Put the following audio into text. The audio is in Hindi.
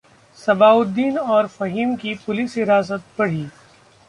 सबाउद्दीन और फहीम की पुलिस हिरासत बढ़ी